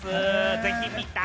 ぜひ見たい。